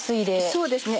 そうですね。